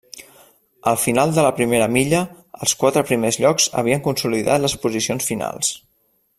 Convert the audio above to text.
Al final de la primera milla, els quatre primers llocs havien consolidat les posicions finals.